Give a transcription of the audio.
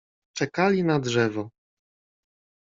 Czekali na drzewo.